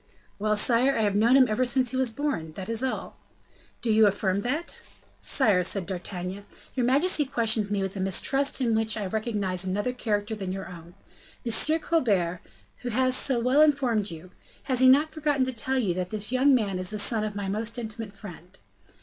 "Well, sire! I have known him ever since he was born, that is all." "Do you affirm that?" "Sire," said D'Artagnan, "your majesty questions me with a mistrust in which I recognize another character than your own. M. Colbert, who has so well informed you, has he not forgotten to tell you that this young man is the son of my most intimate friend?"